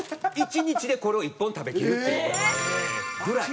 １日でこれを１本食べきるっていうぐらい。